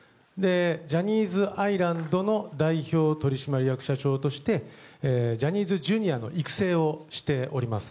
ジャニーズアイランドの代表取締役社長としてジャニーズＪｒ．の育成をしております。